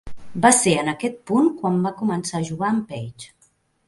Va ser en aquest punt quan va començar a jugar amb Page.